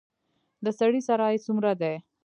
د سړي سر عاید څومره دی؟